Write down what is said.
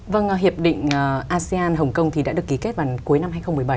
vâng hiệp định asean hồng kông thì đã được ký kết vào cuối năm hai nghìn một mươi bảy